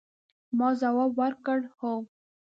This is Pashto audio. ما ځواب ورکړ، هو.